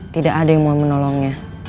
tidak ada yang mau menolongnya